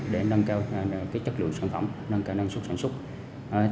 để nâng cao chất lượng sản phẩm nâng cao năng suất sản xuất